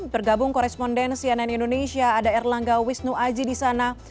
bergabung koresponden cnn indonesia ada erlangga wisnu aji di sana